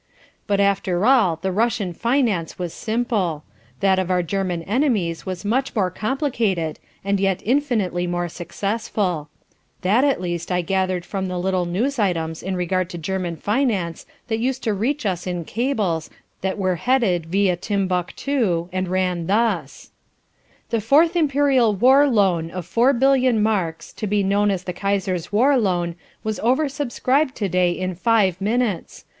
But after all the Russian finance was simple. That of our German enemies was much more complicated and yet infinitely more successful. That at least I gathered from the little news items in regard to German finance that used to reach us in cables that were headed Via Timbuctoo and ran thus: "The fourth Imperial War Loan of four billion marks, to be known as the Kaiser's War Loan, was oversubscribed to day in five minutes.